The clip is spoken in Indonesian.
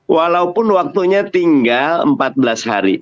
walaupun waktunya tinggal empat belas hari